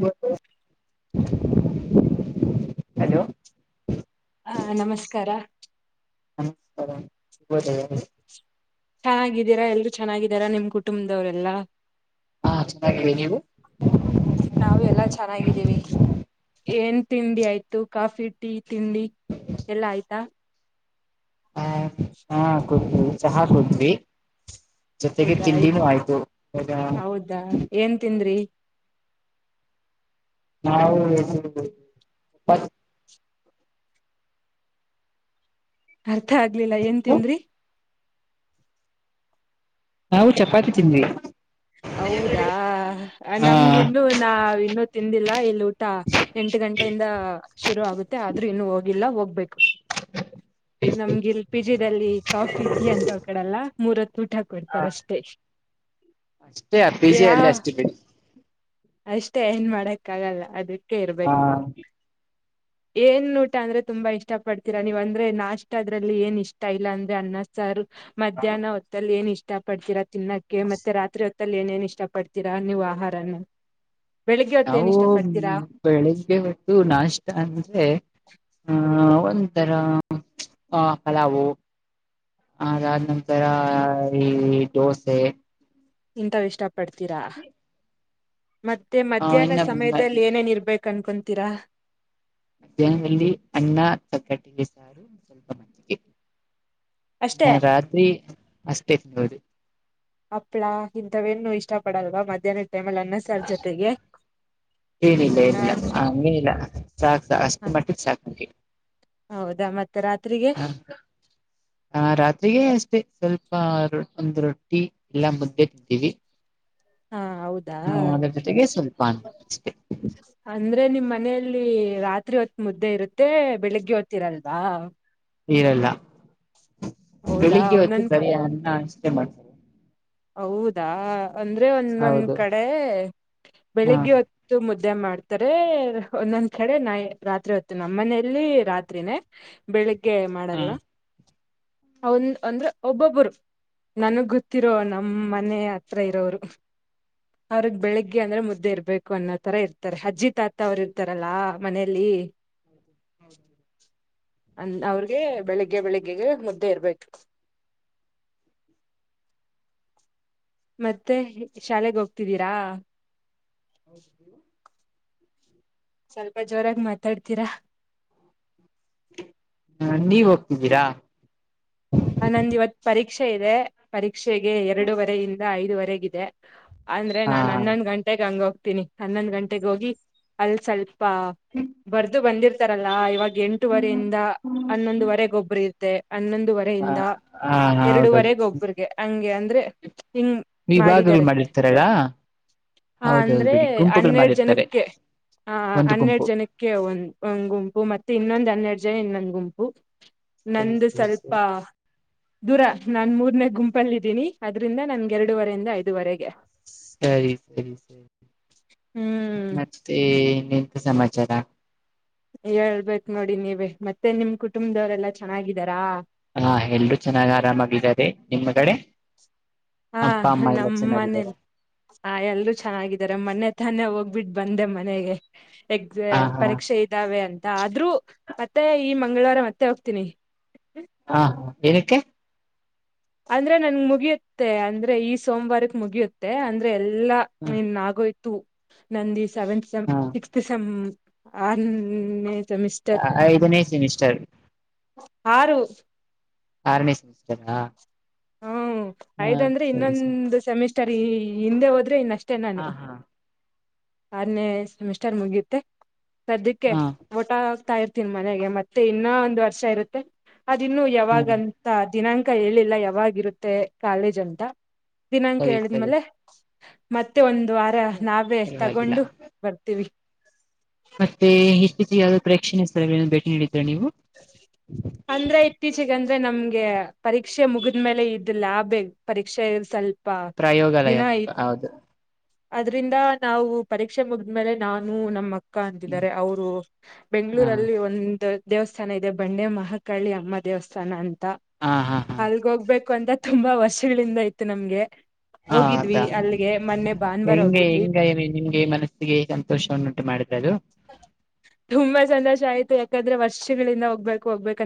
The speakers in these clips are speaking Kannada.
[inaudible] ಹಲೋ, ಹ, ನಮಸ್ಕಾರ. - ಬರ [unintelligible] ಚೆನ್ನಾಗಿದ್ದೀರಾ, ಎಲ್ರು ಚೆನ್ನಾಗಿದ್ದೀರಾ ನಿಮ್ ಕುಟುಂಬದವರೆಲ್ಲಾ., ಹಾ ಚೆನ್ನಾಗಿದ್ದೀವಿ ನೀವು - ನಾವು ಎಲ್ಲಾ ಚೆನ್ನಾಗಿದ್ದೀವಿ. - ಏನ್ ತಿಂಡಿ ಆಯ್ತು ಕಾಫಿ, ಟೀ, ತಿಂಡಿ ಎಲ್ಲಾ ಆಯ್ತಾ. - ಹ ಹಾ, ಕೂಡ್ದಿವಿಚಹಾ ಕೂಡಿದ್ದ ವಿ, - ಜೊತೆಗೆ ಹೌದಾ ತಿಂಡಿನೂ ಆಯ್ತು. - ಹೌದಾ ಏನ್ ತಿಂದ್ರಿ ನಾವುಪ್ಪತ್ [unintelligible] ಆಯ್ತು. - ಮತ್ತ ಆಗ್ಲಿಲ್ಲಾ ಏನ್ ತಿಂದ್ರಿ. - ನಾವು ಚಪಾತಿ ತಿಂದ್ವಿ. - ಹೌದಾ, ನಮಗ ಇನ್ ನಾವ- ತಿಂದಿಲ್ಲ ಇನ್ನು. ಎಂಟು [unintelligible] ಗಂಟೆಯಿಂದ ಶುರು ಆಗುತ್ತೆ. ಆದ್ರೂ ಇನ್ನು ಹೋಗಿಲ್ಲ ಹೋಗ್ಬೇಕು ನಮಗ್ ಇಲ್ಲಿ ಪಿಜಿಲ್ಲಿ ಕಾಫಿ ಟೀ ಅಂತ್ ಕೋಡ. ಲ್ಲ ಮೂರತ್ತು ಊಟ ಕೊಡ್ತಾರ ಅಷ್ಟೇ, - ಅಷ್ಟೇ ಅ ಪಿ, ಜಿ ಅಲ್ಲ ಅಷ್ಟೇ ಅಷ್ಟೇ ಏನ್ ಮಾಡಕ್ಕ ಆಗಲ್ಲ ಅದಕ್ಕೆ. - ಆ ಇರ್ಬೇಕ ನಾವು. ಏನ್ ಊಟ ಅಂದ್ರೆ ತುಂಬಾ ಇಷ್ಟ ಪಡ್ತೀರಾ ನೀವ್ ಅಂದ್ರೆ ನಾಷ್ಟದ್ರಲ್ಲಿ ಏನ್ ಇಷ್ಟ ಇಲ್ಲ ಅಂದ್ರೆ ಅನ್ನ ಸಾರ್ ಮಧ್ಯಾಹ್ನ ಹೊತ್ತಲ್ಲಿ ಏನ ಇಷ್ಟ ಇಷ್ಟ ಪಡ್ತೀರಾ ತಿನ್ನಕ್ಕೆ ಮತ್ತೆ ಮತ್ತೆ ರಾತ್ರಿ ಹೊತ್ತಲ್ಲಿ ಏನೇನ್ ಇಷ್ಟ ಪಡ್ತೀರಾ ನೀವು ಆಹಾರನ ಬೆಳಿಗ್ಗೆ ಹೊತ್ತ ಏನ್ ನಾವು ಇಷ್ಟ ಪಡ್ತೀರಾ ಬೆಳಿಗ್ಗೆ ಹೊತ್ತು ನಾಷ್ಟ ಅಂದ್ರೆ ಹಹ ಒಂತರ ಆ ಪಲಾವು ಅದಾದ ನಂತರ ಈ ದೋಸೆ ಇಂತವು ಇಷ್ಟ ಪಡ್ತೀರಾ ಮತ್ತೆ ಆ ಮಧ್ಯಾಹ್ನ ಇನ್ನ ಸಮಯದಲ್ಲಿ ಏನೇನ್ ಇರ್ಬೇಕು ಕಣ್ಕೊಂತೀರಾ ಮಧ್ಯಾಹ್ನದಲ್ಲಿ ಅನ್ನ [unintelligible] ಅಷ್ಟೇ ನಾ ರಾತ್ರಿ ಅಷ್ಟೇ [unintelligible] ಹಪ್ಪಳ ಇಂಥವೇನು ಇಷ್ಟ ಪಡಲ್ವಾ ಮಧ್ಯಾಹ್ನ ಏನಿಲ್ಲ ಇಲ್ಲ ಏನಾದ್ರೂ ಹಂಗೇನಿಲ್ಲ ಸಾಕ್ ಅಷ್ಟು ಹ ಮಟ್ಟಿಗೆ ಸಾಕ್ ಹೌದಾ ಮತ್ತೆ ರಾತ್ರಿಗೆ ಹ ಹ ರಾತ್ರಿಗೆ ಮತ್ತ ಸ್ವಲ್ಪ ಒಂದ್ ರೊಟ್ಟಿ ಇಲ್ಲ ಮುದ್ದೆ ತಿಂತೀವಿ ಹಾ ಹಾ ಹೌದಾ ಅದ್ರ ಜೊತೆಗೆ ಸ್ವಲ್ಪ ಅನ್ನ ಅಷ್ಟೇ ಅಂದ್ರೆ ನಿಮ್ಮ್ ಮನೆಯಲ್ಲಿ ರಾತ್ರಿ ಹೊತ್ತು ಮುದ್ದೆ ಇರುತ್ತ ಮತ್ತೆ ಬೆಳಗ್ಗೆ ಹೊತ್ತುಇರಲ್ಲ ಹಾ ಇರಲ್ಲ ಹೌದಾ ಬೆಳಿಗ್ಗೆ ಹೊತ್ತು ಒಂದೊಂದ್ ಕ ಬರೆ ಅನ್ನ ಅಷ್ಟೇ [inaudible] ಹೌದಾ ಅಂದ್ರೆ ಒಂದೊಂದ ಹೌದು ಕಡೆ ಹಾ ಬೆಳಿಗ್ಗೆ ಹೊತ್ತು ಮುದ್ದೆ ಮಾಡ್ತಾರೆ ಒಂದೊಂದ್ ಕಡೆ ನಾ ರಾತ್ರಿ ಹೊತ್ತು ನಮ್ಮ ಮನೆಯಲ್ಲಿ ರಾತ್ರಿನೇ ಬೆಳಿ ಗೆ ಹ ಮಾಡಲ್ಲ ಅಂದ್ರೆ ಒಬ್ಬೊಬ್ಬರು ನನಗ್ ಗೊತ್ತಿ ನಮ್ ಮನೆ ಹತ್ರ ಇರೋರಗೆ ಬೆಳಿಗ್ಗೆ ಅಂದ್ರೆ ಮುದ್ದೆ ಇರ್ಬೇಕು ಅನ್ನೋ ತರ ಇರ್ತಾರೆ ಅಜ್ಜಿ ತಾತ ಅವರು ಇರ್ತಾರಲ್ಲಾ ಮನೇಲಿ [inaudible] ಅ ಅವ್ರಗೆ ಬೆಳಿಗ್ಗೆ ಬೆಳಿಗ್ಗೆಗೆ ಮುದ್ದೆ ಇರ್ಬೇಕು ಮತ್ತೆ ಶಾಲೆೆಗೆ ಹೋಗ್ತಿದ್ದೀರಾ [inaudible] ಸ್ವಲ್ಪ ಜೋರಾಗಿ ಮಾತಾಡ್ತೀರಾ ಹ ನೀವ್ ಹೋಗ್ತಿದ್ದೀರಾ ಆ ನಂದು ಇವತ್ ಪರೀಕ್ಷೆ ಇದೆ ಪರ ಶಕ್ಷೆಗೆ ಎರಡೂವರೆ ಇಂದ ಐದುವರೆಗಿದೆ ಅಂದ್ರೆ ಹಾ ನಾನ್ ಹನ್ನೊಂದ್ ಗಂಟೆಗೆಗ್ ಹಂಗೋಗ ತನಿ ಹನ್ನೊಂದ್ ಗಂಟೆೆಗೆ ಹೋಗಿ ಅಲ್ ಸ್ವಲ್ಪ ಪ್ಪಾ ಬರ್ದು ಬಂದಿರ್ತ ರಲ್ಲಾ ಇವಾಗ ಎಂಟುವರೆೆಯಿಂದ ಹನ್ನೊಂದುವರೆ ಗೊಬ್ಬರ ಇರುತ್ತೆ ಹನ್ನೊಂದುವರೆ ಹಾ ರಿಂದ ಹಾ ಎರಡುವರೆ ಹೌದೌದು ಗೊಬ್ಬರಿಗೆ ಹಂಗೆ ಅಂದ್ರೆ ಹಿಂಗ ವಿಭಾಗಗಳು ಮಾಡಿದ್ದಾರೆ ಮಾಡಿರ್ತಾರಲ್ಲ ಆ ಹೌದೌದು ಅಂದ್ರೆ ಬಿಡಿ ಗುಂಪುಗಳು ಹನ್ನೆರಡ್ ಮಾಡಿರ್ತಾರೆ ಜನಕ್ಕೆ ಹ ಒಂದು ಗುಂಪು ಹನ್ನೆರಡು ಜನಕ್ಕೆ ಒಂದ್ ಗುಂಪು ಮತ್ತೆ ಇನ್ನೊಂದು ಹನ್ನೆರಡ್ ವಿಜಯನ್ನ್ ಗುಂಪು ಸರಿ ನಂದು ಸರಿ ಸ್ವಲ್ಪ ವಾ ದೂರ ನಾನ್ ಮೂರ್ನೆೇ ಗುಂಪಲ್ಲಿದ್ದೀನಿ ಅದ್ರಿಂದ ನನ್ಗೆ ಎರಡುವರೆಯಿಂದ ಐದುವರೆಗೆ ಸರಿ ಸರಿ ಸರಿ ಹ್ಮ್ ಮತ್ತೆ ಸಮಾಚಾರ ಹೇಳ್ಬೇಕ ನೋಡಿ ನೀವೇ ಮತ್ತೆ ನಿಮ್ ಕುಟುಂಬದವರೆಲ್ಲಾ ಚೆನ್ನಾಗಿದ್ದಾರಾ ಹಾ ಎಲ್ರು ಚೆನ್ನಾಗ್ ಆರಾಮಾಗಿದ್ದಾರೆ ನಿಮ್ಮ ಕಡೆ ಹಾ ಅಪ್ಪ ಅಮ್ಮ ಎಲ್ಲ ನಮ್ಮ ಚೆನ್ನಾಗಿದ್ದಾರೆ ಮನೇಲಿ ಆ ಎಲ್ರರು ಚೆನ್ನಾಗಿದ್ದಾರೆ ಮೊನೆೆ ತಾನೆ ಹೋಗ್ಬಿಟ್ಟ ಬಂದೆ ಮನೆಗೆ ಹ ಎಕ್ಸಾಮ ಹಾ ಪರೀಕ್ಷೆ ಇದ್ದಾವೆ ಅಂತ ಆದ್ರೂ ಮತ್ತೆ ಈ ಮಂಗಳವಾರ ಮತ್ತೆ ಹೋಗ್ತೀನಿ ಹಾ ಏನಕ್ಕೆ ಅಂದ್ರೆ ನನ್ ಮುಗಿಯುತ್ತೆ ಅಂದ್ರೆ ಈ ಸೋಮವಾರಕ್ ಮುಗಿಯುತ್ತೆ ಅಂದ್ರೆ ಎ ಎಲ್ಲ ಇನ್ ಆಗೋಯ್ತು ತ್ತು ನಂದಿ ಸೆಂವತ್ ಸೇಮ್ ಹ ಸಿಕ್ತ್ ಸೇಮ್ ಹಾ ಐದನೇ ಸೆಮಿಸಿಸ್ಟರ್ ಆರು ಆರನೇ ಸೆಮಿಸ್ಟರ್ ಹಾ ಹ್ಮ ಐದಂದ್ರೆ ಸರಿ ಸರಿ ಇನ್ನೊಂದ್ ಸೆಮಿಸ್ಟರ್. ಷ್ಟರಿ ಹಿಂದೆ ಹೋದ್ರೆ ಇನ್ನಷ್ಟ. ಅಷ್ಟೆ ನಾನು ಹಾ ಹಾ ಆರನೇ ಸೆಮಿಸ್ಟರ್ ಮುಗಿಯುತ್ತೆ. ಸದ್ಯಕ್ಕೆ ಹಾ ಊಟ ಆಗ್ತಾ ಇರ್ತಾ. ನ್ ಮನೆಗೆ ಮತ್ತೆ ಇನ್ನ ಒಂದ್ ವರ್ಷ ಇರುತ್ತೆ. ಅದಿನ್ನು ಹಾ ಯಾವಾಗಂತ ದಿನಾಂಕ. ಹೇಳಿಲ್ಲ ಯಾವಾಗಿರುತ್ತೆ ಕಾಲೇಜ್ ಅಂತಾ ದಿನಾಂಕ ಸರಿ ಸರಿ ಹೇಳಿದ್ಮೇಲೆ ಮತ್ತೆ ಒಂದ್ ದ್ವಾರ ನಾವೇ. ಪರವಾಗಿಲ್ಲ ತಗೊಂಡು ಬರ್ತೀವಿ [unintelligible] ಅರ್ಥ ಆಗಲಿಲ್ಲ ನೀವು ಇತ್ತೀಚೆಗೆ ಅಂದ್ರೆ ನಮ್ಗೆ ಪರೀಕ್ಷೆ ಮುಗಿದ ಮೇಲೆ ಇದ ಲ್ಾಬ್ ಪರೀಕ್ಷೆ ಸ್ವಲ್ಪ. ಪ್ರಯೋಗಾಲಯ ದಿನ ಹೌದು ಅದ್ರಿಂದ ನಾವು ಪರೀಕ್ಷೆ ಮುಗಿದಮೇಲೆ ನಾನು ನಮ್ಮ ಅಕ್ಕ್. ಅಕ್ಕ ಹ್ಮ್ ಅಂತಿದ್ದಾರೆ ಅವರು ಹಾ ಬೆಂಗಳೂರುಅಲ್ಲಿ ಒಂದ್ ದೇವಸ್ಥಾನ ಇದೆ ಬಂಡೆ ಮಹಾಕಾಳಿ ಅಮ್ಮ ದೇವಸ್ಥಾನ ಅಂತಾ. ಹಾ ಹಾ ಹಾ ಅಲ್ಲಿಗೆ ಹೋಗ್ಬೇಕು ಕಂತ ತುಂಬಾ ವರ್ಷಗಳಿಂದ ಇತ್ತು ನಮ್ಮಗೆ. ಹಾ ಅದಾ ಭಾನುವಾರ ಹೆಂಗೆ ಹೋಗಿದ್ವಿ ಹೆಂಗ ನಿಮ್ಗೆ ಮನಸ್ಸಿಗೆ ಸಂತೋಷವನ್ನುಂಟು ಮಾಡಿದ್ರೆದು. ತುಂಬಾ ಸಂತೋಷ ಆಯ್ತು ಯಾಕಂದ್ರೆ ವರ್ಷಗಳಿಂದ ಹೋಗ್ಬೇಕು ಹೋಗ್ಬೇಕು.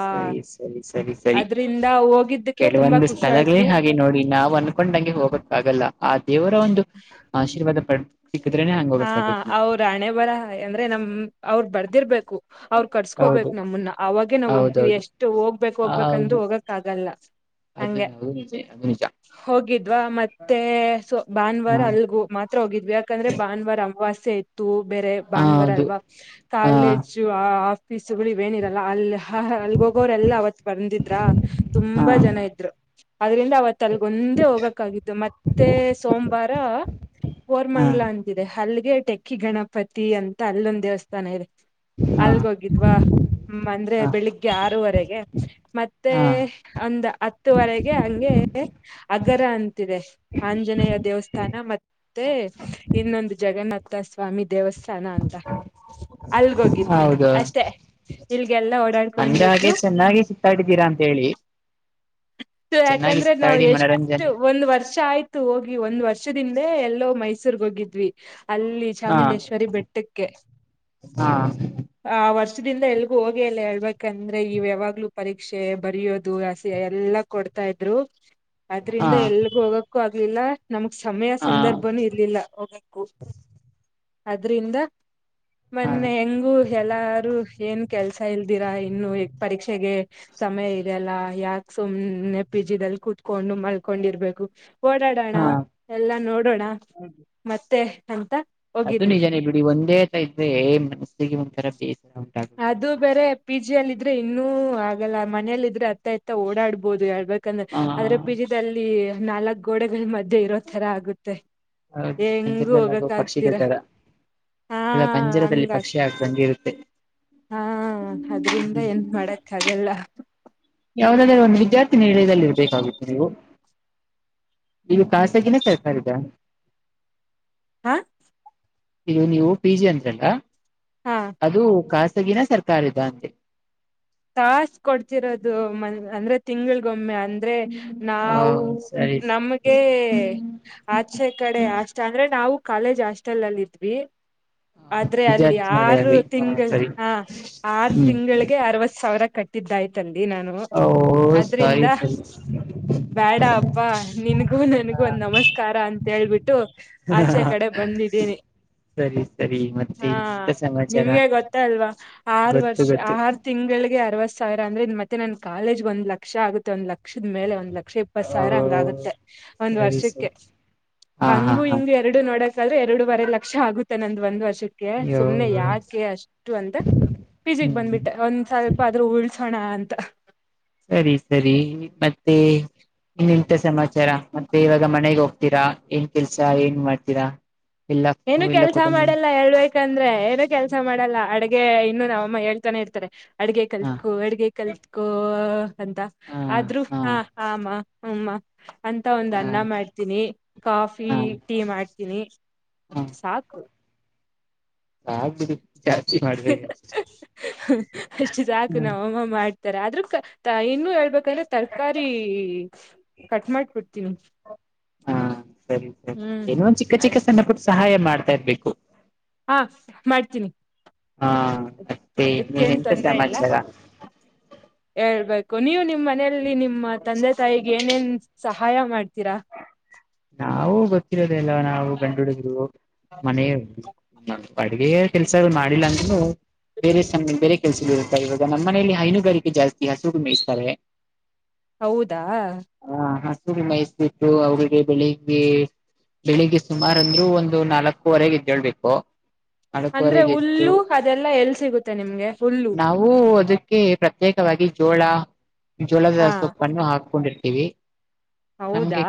ಸರಿ ಸರಿ ಸರಿ ಸರಿ ಅದ್ರಿಂದ ಹೋಗಿದ್ದಕ್ಕೆ ತುಂಬಾ ಕೆಲವೊಂದು ಖುಷಿ ಸ್ಥಳಗಳೇ ಆಯ್ತು ಹಾಗೆ ನೋಡಿ ನಾವವು ಅನ್ಕೊಂಡಂಗೆ ಹೋಗಕ್ಕ ಆಗಲ್ಲ ಆ ದೇವರ್ ಒಂದು ಆಶೀರ್ವಾದ ಪಡ್. ಸಿಕ್ಕಿದ್ರೇನೆ ಹಂಗ ಹಾ ಹೋಗಕ್ಕಾಗುದು ನಮ್ಗೆ ಅವರ್ ಹಣೆ ಬರಹ ಅಂದ್ರೆ ನಮ್ಮ. ಅವ್ರ್ ಬರ್ದಿರ್ಬೇಕು ಅವ್ರರು ಕಡ್ಸ್ಕೋಬೇಕು ಹೌದು ನಮಮ್ಮನ್ನ ಅವಾಗೆ ನಾವ್ ಹೋಗ್ತಿೀವಿ ಹೌದೌದು ಎಷ್ಟು ಹೋಗ್ಬೇಕಕ್ ಹೌದು ಹೋಗ್ಬೇಕಂದು ಹೋಗಕ್ ಆಗಲ್ಲ. ಅದು ಅ ಅ. ಅ್ವ ಮತ್ತೆ ಸೊ ಭಾನ್ವಾರ್ ಅಲ್ಗುಗೋ ಮಾತ್ರ ಹೋಗಿದ್ವಿ ಯಾಕಂದ್ರೆ ಪ್ರಮವಾಸ್ಯ ಇತ್ತು ಬೇರೆ ಭಾನುವಾರ ಹೌದು ಅಲ್ವಾ ಹಾ ಕಾಲೇಜು ಆ ಪೀಸುಗಳು ಹೇನುಗಳು ಅಲ್ಲಿ ಹಲ್ಲಿ ಹೋಗವ್ರ ಎಲ್ಲಾ ಅವತ್ತು ಬಂದಿದ್ರ ಹಾ ತುಂಬಾ ಜನ ಇದ್ರು ಅದ್ರಿಂದ ಅವತ್ ಒಂದೆ ಹೋಗಾಕಗ್ಗಿದು ಮತ್ತೆ ಸೋಮವಾರ ಹಾ ಕೋರಮಂಗಳ ಹಲ್ಲಿಗೆ ಟೆಕ್ಕಿ ಗಣಪತಿ ಅಂತ ಅಲ್ಲೊಂದ ದೇವಸ್ಥಾನ ಇದೆ ಹಾ ಅಲ್ಗೋಗಿದ್ವಾ ಹ್ಮ ಅಂದ್ರೆ ಬೆಳಿಗ್ಗೆ ಆರುವರೆಗೆ ಮತ್ತೆ ಹಾ ಹಾ ಅಂದ ಹತ್ತುವರೆಗೆ ಹಂಗೆ ಅಗರನ್ ಆಂಜನೇಯ ದೇವಸ್ಥಾನ ತಾನ ಮತ್ ತೆ ಜಗನ್ನಾಥ ಸ್ವಾಮಿ ದೇವಸ್ಥಾನ ತಾನ ಅಂತ ಅಲ್ಗೋಗಿದ್ವಿ ಹೌದು ಅಷ್ಟೆ ಇಲ್ಗೆಲ್ಲಾ ಅಂದ ಓಡಾಡ್ಕೊಂಡ್ದು ಹಾಗೆ ಚೆನ್ನಾಗಿ ಸುತ್ತಾಡಿದ್ದೀರಾ ಅಂತ ಹೇಳಿ ಚೆನ್ನಾಗಿ ಯಾಕಂದ್ರೆ ನಾವ್ ಸುತ್ತಾಡಿ ಎಷ್ಟು ಮನರಂಜನೆ ಒಂದ್ ವರ್ಷ ಆಯ್ತು ಹೋಗಿ ಒಂದ್ ವರ್ಷದಿಂದ ಇಲ್ಲೇ ಯಲ್ಲೋ ಮೈಸೂರ್ಗೆ ಹೋಗಿದ್ವಿ ಅಲ್ಲಿ ಹಾ ಚಾಮುಂಡೇಶ್ವರಿ ಬೆಟ್ಟಕ್ಕೆ ಹಾ ಆ ವರ್ಷ ಈ ವರ್ಷದಿಂದ ಎಲ್ಗೂ ಹೋಗಿ ಎಲ್ಲ ಹೇಳ್ಬೇಕಂದ್ರೆ ಇವು ಯಾವಾಗ್ಲೂ ಪರೀಕ್ಷೆ ಬರೆಯೋದು ಹಸಿ ಎಲ್ಲ ಕೊಡ್ತಾ ಇದ್ರು ಹಾ ಅದ್ರಿಂದ ಎಲ್ಗ ಹೋಗಕ್ಕು ಆಗಿಲ್ಲ ಇಲ್ಲ ನಮಗೆ ಸಮಯ ಹಾ ಸಂದರ್ಭನು ಇರ್ಲಿಲ್ಲ ಹೋಗಕು ಅದ್ರಿಂದ ಹಾ ಮೊನ್ನೆ ಹೆಂಗು ಎಲ್ಲಾರು ಏನ್ ಕೆಲ್ಸ ಇಲ್ದಿರಾ ಇನ್ನು ಪರೀಕ್ಷೆಗೆ ಸಮಯ ಇದೆಲ್ಲ ಯಾಕ್ ಸುಮ್ನೆ ಸುಮ್ನೆ ಪಿಜೀದಲ್ ಕುತ್ಕೊಂಡು ಮಲ್ಕೊಂಡಿರ್ಬೇಕು ಓಡಾಡೋಣ ಹಾ ಎಲ್ಲ ನೋಡೋಣ ಮತ್ತೆ ಎಂತ ಅದು ನಿಜನೇ ಬಿಡಿ ಒಂದೇತ ಇದ್ರೆ ಮನಸು ಮನಸ್ಸಿಗೆ ಒಂಥರಾ ಬೇಸ್ ಅದು ಬೇರೆ ಪಿಜಿ ಪಿಜಿ ಅಲ್ಲ ಇದ್ರೆ ಇನ್ನುೂ ಆಗಲ್ಲ ಮನೆಯಲ್ಲ ಇದ್ರೆ ಅತ್ತ ಇತ್ತ ಓಡಾಡ್ಬಹುದು ಹೇಳಬಹುದು ಯಾಕಂದ್ರೆ ಹಾ ಅದ್ರೆ ಪಿಜಿದಲ್ಲಿ ನಾಲ್ಕ್ ಗೋಡೆಗಳ ಮಧ್ಯೆ ಇರೋ ತರ ಆಗುತ್ತೆ ಹೌ ಹೆಂಗೂ ಪಂಜರದದಲ್ಲಿವ ಹೋಗಕ್ ಪಕ್ಷಿಗಳ್ ಆಗ್ದಿರ ತರ ಹಾ ಇಲ್ಲ ಪಂಜರದಲ್ಲಿ ಹಂಗ ಪಕ್ಷಿ ಆಗ್ದಂಗಗೆ ಇರುತ್ತೆ ಹಾ ಅದ್ರಿಂದ ಏನ್ ಮಾಡಕ್ ಆಗಲ್ಲ ಯವುದಾದ್ರೂ ಒಂದು ವಿದ್ಯಾರ್ಥಿ ನಿಲಯದಲ್ಲಿ ಇರ್ಬೇಕಾಗಿತ್ತು ನೀವು ಖಾಸಗಿನ ಸರ್ಕಾರಿದ ಹಾ ಇಗ ನೀವು ಪಿ ಜಿ ಅಂದ್ರಲ್ಲ ಹಾ ಅದು ಕಾಸ ಗಿನ ಸರ್ಕಾರಿದ ಅಂದೆ ತಾಸ ಕೊಡ್ತಿರೋದು ಮ ಅಂದ್ರೆ ತಿಂಗಳಗೊಮ್ಮೆ ಅಂದ್ರೆ ಹ ನಾವು ಸರಿ ನಮ್ಗೆ ಆಚೆ ಕಡೆ ಅಷ್ಟ ಅಂದ್ರೆ ನಾವು ಕಾಲೇಜ್ ಹಾಸ್ಟೆಲ್ ಅಲ್ಲಿ ಇದ್ವಿ ಆದ್ರೆ ಅಲ್ಲಿ ವಿದ್ಯಾರ್ಥಿ ನಿಲಯ ಆರು ಹ ತಿಂಗಳ ಸರಿ ಹಾ ಆರು ಹ್ಮ್ ತಿಂಗಳಗೆ ಅರವತ್ತು ಸಾವಿ ರ ಕಟ್ಟಿದ್ದಾಯ್ತಲ್ಲಿ ನಾನು ಓ ಅದ್ರಿಂದ ಸರಿ ಬ್ಯಾಡ ಅಪ್ಪಾ ನಿನಗೂ ನನ್ಗೂ ಒಂದ್ ನಮಸ್ಕಾರ ಅಂತ ಹೇಳ್ಬಿಟ್ಟು ಆಚೆ ಸರಿ ಕಡೆ ಬಂದಿದ್ದೀನಿ ಸರಿ ಸರಿ ಮತ್ತೆ ಹಾ ಇನ್ನೆಂತ ಸಮಾಚಾರ ನಿಮ್ಗೆ ಗೊತ್ತ ಅಲ್ವಾ ಆರು ಗೊತ್ತು ವರ್ಷ ಗೊತ್ತು ಆರ ತಿಂಗಳಿ ಈಗೆ ಅರವತ್ ಸಾವಿರ ಅಂದ್ರೆ ಇ ಮತ್ತೆ ನನ್ ಕಾಲೇಜ್ ಒಂದ್ ಲಕ್ಷ ಆಗುತ್ತೆ ಒಂದ್ ಲಕ್ಷ ಲಕ್ಷದ ಮೇಲೆ ಒಂದ್ ಲಕ್ಷ ಇಪ್ಪತ್ ಓ ಸಾವಿರ ಹಂಗ ಆಗುತ್ತೆ ಒಂದ್ ಸರಿ ವರ್ಷಕ್ಕೆ ಸರಿ ಹಾ ಹಾ ಹಂಗು ಹಾ ಹಿಂಗ್ ಎರಡು ನೋಡಕ ಆದ್ರೆ ಎರಡುೂವರೆ ಲಕ್ಷ ಆಗುತ್ತ ತ್ತೆ ನಂದ ಒಂದು ವರ್ಷ ಕ್ಕೇ ಅಯ್ಯೋ ಸುಮ್ನೆ ಯಾಕೆ ಅಷ್ಟು ಅಂತ ಪಿಜಿಗೆ ಹ್ಮ್ ಬಂದ್ಬಿಟ್ಟೆ ಒಂದ್ ಸಾವಿರ ಉಳ್ಸೋಣ ಅಂತ ಸರಿ ಸರಿ ಮತ್ತೆ ಇನ್ನೆಂತ ಸಮಾಚಾರ ಮತ್ತೆ ಇವಾಗ ಮನೆಗ್ ಹೋಗ್ತೀರಾ ಏನ್ ಕೆಲ್ಸ ಏನ್ ಮಾಡ್ತೀರಾ ಎಲ್ಲ ಏನು ಎಲ್ಲ ಕೆಲ್ಸ ಕುಟುಂಬ ಮಾಡಲ್ಲ ಹೇಳ್ಬೇಕಂದ್ರೆ ಏನು ಕೆಲ್ಸ ಮಾಡಲ್ಲ ಅಡ್ಗೆ ಇನ್ನು ನಾವ ಅಮ್ಮ ಹೇಳ್ತಾನೆ ಇರ್ತಾರೆ ಅಡ್ಗೆ ಹಾ ಕಲ್ಟ್ಕೋ ಅಡ್ಗೆ ಕಲ್ತ್ಕೋ ಅಂತ ಆದ್ರೂ ಹಾ ಆ ಮ್ಮ್ ಹಮ್ಮ ಅಂತ ಒಂದ್ ಹಾ ಅನ್ನ ಮಾಡ್ತೀನಿ ಕಾಫಿ ಹಾ ಟೀ ಮಾಡ್ತೀನಿ ಹಾ ಅಷ್ಟ ಸಾಕು ಆಗ್ಬಿಡಿ ಜಾಸ್ತಿ ಮಾಡ್ಬೇಡಿ ಅಷ್ಟು ಸಾಕು ಹ್ಮ್ ನಮಮ್ಮ ಮಾಡ್ ತೀರ ಆದ್ರೂಕ ತಾಯಿ ಇನ್ನು ಹೇಳ್ಬೇಕಂದ್ರೆ ತರಕಾರಿ ಕಟ್ ಮಾಡ ಕೊಡ್ತೀನಿ ಹಾ ಸರಿ ಸರಿ ಏನೋ ಒಂದ ಚಿಕ್ಕ ಚಿಕ್ಕ ಅಷ್ಟ ಸಣ್ಣ ಪುಟ್ಟ ಸಹಾಯ ಮಾಡ್ತಾ ಇರ್ಬೇಕು ಹ ಮಾಡ್ತೀನಿ ಹಾ ಮತ್ತೆ ಅದಕ್ಕೇನ್ ಇನ್ನೇನೆಂತ ತೊಂದರೆ ಇಲ್ಲ ಸಮಾಚಾರ ಹೇಳ್ಬೇಕ ನೀವು ನಿಮ್ಮ್ ಮನೆ ಲ್ಲಿ ನಿಮ್ಮ ತಂದೆ ತಾಯಿಗೆ ಏನೇನ್ ಸಹಾಯ ಮಾಡ್ತೀರಾ ನಾವು ಗೊತ್ತಿರೋದಲ್ಲ ನಾವು ಗಂಡ ಹುಡುಗ್ರು ಮನೆ ನಾನ್ ಅಡುಗೆಯ ಕೆಲ್ಸಗಳ ಮಾಡಿಲ್ಲ ಅಂದ್ರೂನು ಬೇರೆ ಬೇರೆ ಕೆಲ್ಸಗಳು ಇವಾಗ ನಮ್ಮ್ ಮನೆಯಲ್ಲಿ ಹೈನುಗಾರಿಕೆ ಜಾಸ್ತಿ ಹಸುಗು ಮೇಯಿಸ್ತಾರೆ. ಹೌದಾ ಹಸು ಮೇಯಾತೀಡು ಅವ್ರಿಗೆ ಬೆಳಿಗ್ಗೆ ಬೆಳಿಗ್ಗೆ ಸುಮಾರ ಅಂದ್ರು ಒಂದು ನಾಲ್ಕುವರೆಗೆ ಎದೇಳ್ಬೇಕು. ಅಂದ್ರೆ ಹುಲ್ಲು ಅದೆಲ್ಲಾ ಎಲ್ಲಿ ಸಿಗುತ್ತೆ ನಿಮ್ಗೆ ಹುಲ್ಲು. ನಾವು ಅದಕ್ಕೆ ಪ್ರತ್ಯೇಕವಾಗಿ ಜೋಳ ಜೋಳದ ಹಾ ಸೊಪ್ಪನ್ನು ಹಾಕೊಂಡಿ ತೇವಿ ಹೌದಾ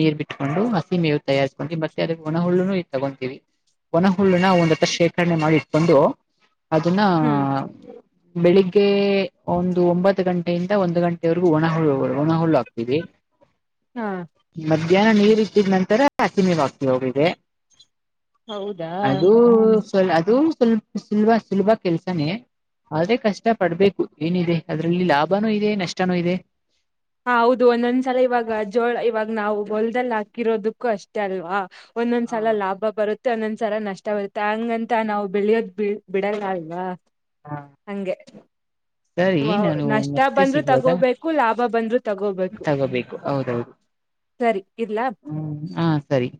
ನೀರ್ ಬಿಟ್ಕೊಂಡು ಹಸಿ ಮೇವು ತಯಾರಿಸ್ಕೊಂಡೀವಿ ಮತ್ತೆ ಅದ ಒಣ ಹುಲ್ಲುನು ತಗೊತೀವಿ ಒಣ ಹುಲ್ಲನ ಒಂದ್ ಶೇಖರಣೆ ಮಾಡಿ ಇಟ್ಕೊಂಡು ಅದನ್ನ ಹ್ಮ್ ಬೆಳಿಗ್ಗೆ ಒಂದು ಒಂಬತ್ತ ಗಂಟೆಯಿಂದ ಒಂದ ಗಂಟೆವರೆಗೂ ಒಣ ಹುಲ್ಲಗಳು ಒಣ ಹುಲ್ಲ ಹಾಕ್ತಿವಿ. ಹಾ ಮಧ್ಯಾಹ್ನ ನೀರ್ ಇಟ್ಟಿದ ನಂತರ ಹಸಿ ಮೇವ್ ಹಾಕ್ತಿವಿ ಅವುಗಳಿಗೆ. ಹೌದಾ ಅದು ಅದು ಸುಲ್ಬ್ ಸುಲಭ ಸುಲಭ ಕೆಲ್ಸನೇ ಆದ್ರೆ ಕಷ್ಟ ಪಡ್ಬೇಕು ಏನಿದೆ ಅದ್ರಲ್ಲಿ ಲಾಭನೂ ಇದೆ ನಷ್ಟನೂ ಇದೆ. ಹಾ ಹೌದು ಒಂದೊಂದ್ಸಲ ಇವಾಗ ಜೋಳ ಇವಾಗ ನಾವು ಹೊಲದಲ್ಲಿ ಹಾಕಿರೋದಕ್ಕೂ ಅಷ್ಟೇ ಅಲ್ವಾ. ಒಂದೊಂದ್ ಸಲ ಲಾಭ ಬರುತ್ತೆ. ಒಂದೊಂದ್ಸರ ನಷ್ಟ ಬರುತ್ತೆ ಹಂಗಂತ ನಾವು ಬೆಳಿಯೋದ್ ಬಿ ಬಿಡಲ್ಲ ಅಲ್ವಾ. ಹಾ ಹಂಗೆ ಸರಿ ವ ನಾನು ನಷ್ಟ ಮತ್ತೆ ಬಂದ್ರು ಸಿಗುವಾಗ ತಗೋಬೇಕು ಲಾಭ ಬಂದ್ರು ತಗೋಬೇಕು ತಗೋಬೇಕು ಹೌದೌದು ಸರಿ ಇಡ್ಲಾ. ಹ್ಮ್ ಹಾ ಸರಿ.